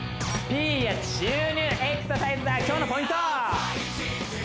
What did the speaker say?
ピーヤ注入エクササイズだ今日のポイント！